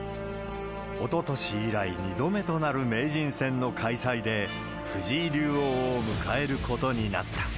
おととし以来２度目となる名人戦の開催で、藤井竜王を迎えることになった。